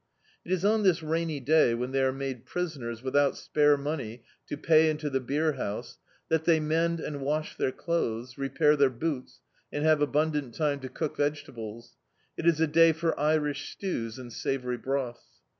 It is on this rainy day when they are made prison ers without spare money to pay into the beer house, that they mend and wash their clothes, repair their boots, and have abundant time to cook v^tables. It is a day for Irish stews and savoury broths.